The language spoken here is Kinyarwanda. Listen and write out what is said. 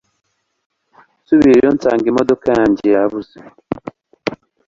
Nsubiyeyo nsanga imodoka yanjye yabuze